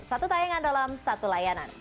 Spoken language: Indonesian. satu tayangan dalam satu layanan